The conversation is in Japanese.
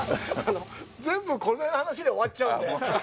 全部これの話で終わっちゃうので。